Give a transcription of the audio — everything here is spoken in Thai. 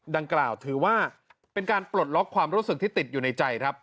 ดังกล่าวถือว่าเป็นการปลดล็อกความรู้สึกที่ติดอยู่ในใจครับ